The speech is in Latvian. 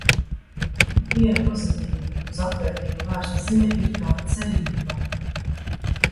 Ikviena pozitīva, uz atvērtību vērsta ziņa ir kā cerība.